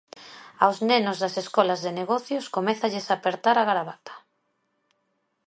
Aos nenos das escolas de negocios comézalles a apertar a gravata.